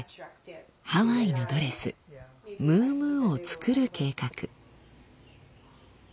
ハワイのドレスムームーを作る計画。